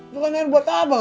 itu kan air buat abang